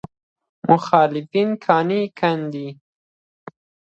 مخالفان قانع کاندي.